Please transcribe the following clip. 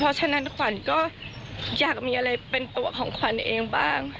เพราะฉะนั้นขวัญก็อยากมีอะไรเป็นตัวของขวัญเองบ้าง